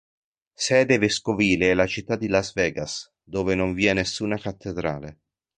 Sede vescovile è la città di Las Vegas, dove non vi è nessuna cattedrale.